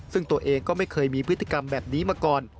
ซึ่งตัวเองก็ไม่เคยมีพฤติกรรมแบบนี้มาก่อน